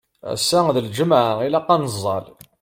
Ass-a d lǧemɛa, ilaq ad neẓẓal.